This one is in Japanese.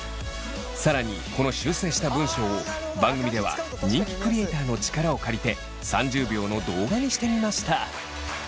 さらにこの修正した文章を番組では人気クリエイターの力を借りて３０秒の動画にしてみました。